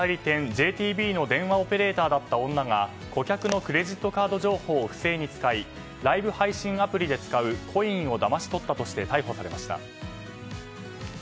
ＪＴＢの電話オペレーターだった女が顧客のクレジットカード情報を不正に使いライブ配信アプリで使うコインをだまし取ったとして逮捕されました。